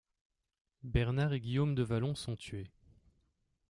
Bernard et Guillaume de Valon sont tués.